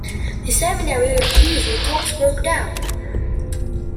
The seminary refused and talks broke down.